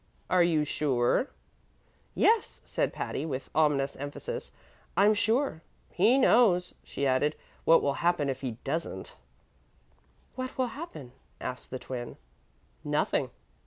"Are you sure?" "Yes," said Patty, with ominous emphasis, "I'm sure. He knows," she added, "what will happen if he doesn't." "What will happen?" asked the Twin. "Nothing."